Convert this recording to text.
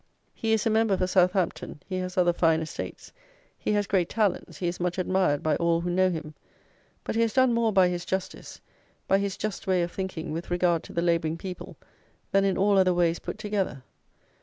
He is a member for Southampton; he has other fine estates; he has great talents; he is much admired by all who know him; but he has done more by his justice, by his just way of thinking with regard to the labouring people, than in all other ways put together.